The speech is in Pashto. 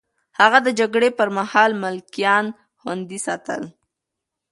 هغه د جګړې پر مهال ملکيان خوندي ساتل.